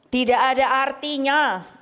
tidak ada artinya